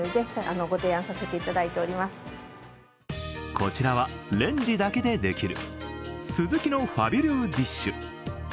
こちらはレンジだけでできるスズキのファビュルーデッシュ。